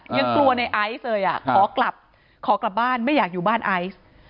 ยังกลัวในไอซ์เลยอ่ะขอกลับขอกลับบ้านไม่อยากอยู่บ้านไอซ์